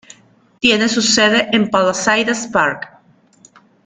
Tiene su sede en Palisades Park.